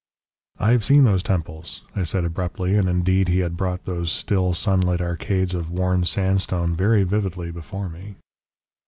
"I have seen those temples," I said abruptly, and indeed he had brought those still, sunlit arcades of worn sandstone very vividly before me.